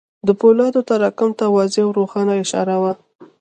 د پولادو تراکم ته واضح او روښانه اشاره وه.